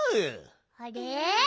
あれ？